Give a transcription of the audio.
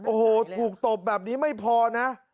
โอ้โหถูกตบแบบนี้ไม่พอนะ